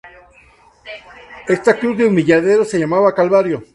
Esta cruz de humilladero se llamaba Calvario.